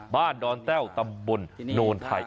บ้านดอนเต้วตำบลดนนไทย